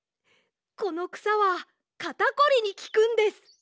このくさはかたこりにきくんです。